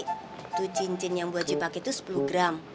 itu cincin yang bu haji pake tuh sepuluh gram